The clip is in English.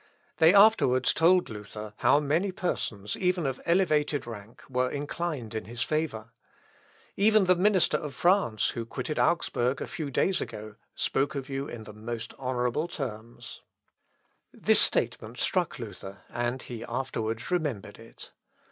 They afterwards told Luther how many persons even of elevated rank, were inclined in his favour. "Even the minister of France, who quitted Augsburg a few days ago, spoke of you in the most honourable terms." This statement struck Luther, and he afterwards remembered it.